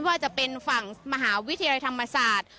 ว่าจะเป็นฝั่งมหาวิทยาลัยธรรมศาสตร์